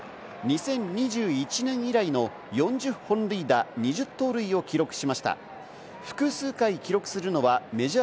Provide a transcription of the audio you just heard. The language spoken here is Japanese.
２０２１年以来の４０本塁打２０盗塁を記録しました。